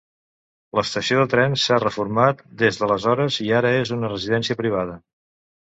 L'estació de tren s'ha reformat des d'aleshores i ara és una residència privada.